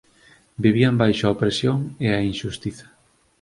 Vivían baixo a opresión e a inxustiza